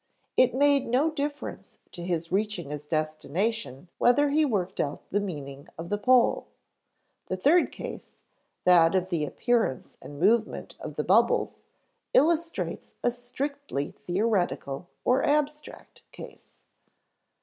It made no difference to his reaching his destination whether he worked out the meaning of the pole. The third case, that of the appearance and movement of the bubbles, illustrates a strictly theoretical or abstract case.